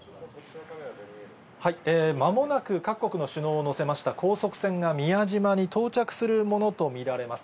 まもなく各国の首脳を乗せました高速船が宮島に到着するものと見られます。